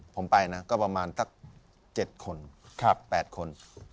ผมไปนะก็ประมาณสัก๗คน๘คน